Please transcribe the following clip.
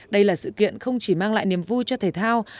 đây là sự kiện không chỉ mang lại niềm vui cho thể thao